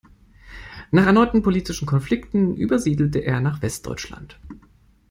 Nach erneuten politischen Konflikten übersiedelte er nach Westdeutschland.